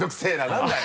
何だよ。